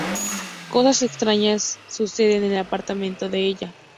Cosas extrañas suceden en el apartamento de ella.